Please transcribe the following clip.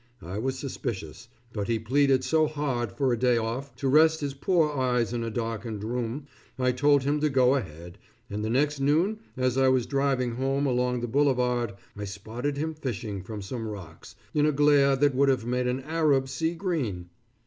I was suspicious, but he pleaded so hard for a day off, to rest his poor eyes in a darkened room, I told him to go ahead, and the next noon as I was driving home along the boulevard I spotted him fishing from some rocks, in a glare that would have made an Arab see green.